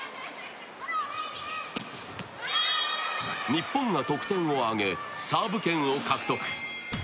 日本が得点を上げサーブ権を獲得。